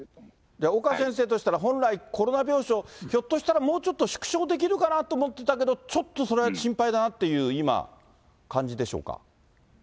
岡先生としたら本来、コロナ病床、ひょっとしたらもうちょっと縮小できるかなと思ってたけど、ちょっとそれは心配だなっていう今、感じでしょうか。